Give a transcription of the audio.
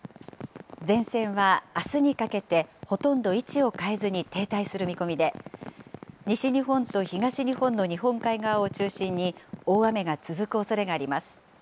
前線はあすにかけて、ほとんど位置を変えずに停滞する見込みで、西日本と東日本の日本海側を中心に大雨が続くおそれがあります。